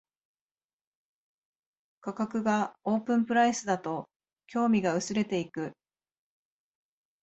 価格がオープンプライスだと興味が薄れていく